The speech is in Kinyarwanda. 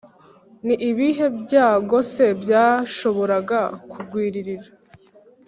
nibihe byago se byashobora kungwirira?»